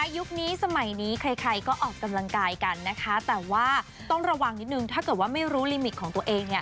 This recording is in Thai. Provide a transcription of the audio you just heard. ยุคนี้สมัยนี้ใครใครก็ออกกำลังกายกันนะคะแต่ว่าต้องระวังนิดนึงถ้าเกิดว่าไม่รู้ลิมิตของตัวเองเนี่ย